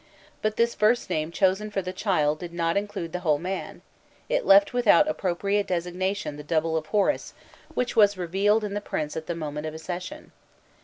But this first name chosen for the child did not include the whole man; it left without appropriate designation the double of Horus, which was revealed in the prince at the moment of accession.